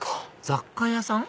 雑貨屋さん？